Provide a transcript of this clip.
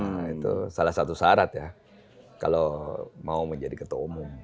nah itu salah satu syarat ya kalau mau menjadi ketua umum